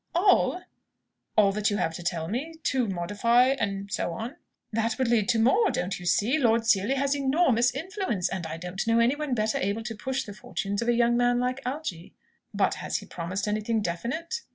"All that you have to tell me, to modify and so on?" "That would lead to more, don't you see? Lord Seely has enormous influence, and I don't know anyone better able to push the fortunes of a young man like Algy." "But has he promised anything definite?"